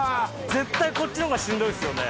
絶対こっちのほうがしんどいですよね。